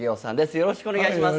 よろしくお願いします。